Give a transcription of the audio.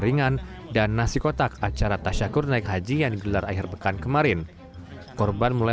ringan dan nasi kotak acara tasyakur naik haji yang digelar akhir pekan kemarin korban mulai